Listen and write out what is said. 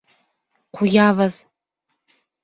Ҡуябыҙ!